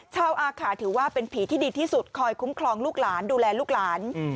อาขาถือว่าเป็นผีที่ดีที่สุดคอยคุ้มครองลูกหลานดูแลลูกหลาน